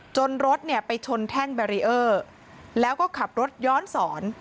รถเนี่ยไปชนแท่งแบรีเออร์แล้วก็ขับรถย้อนสอน